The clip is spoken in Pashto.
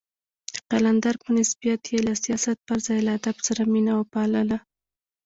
د قلندر په نسبت يې له سياست پر ځای له ادب سره مينه وپالله.